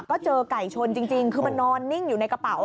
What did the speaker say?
ก็เจอไก่ชนจริงคือมันนอนนิ่งอยู่ในกระเป๋า